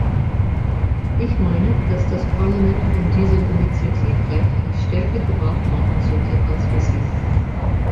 Ich meine, dass das Parlament von diesem Initiativrecht stärker Gebrauch machen sollte als bisher.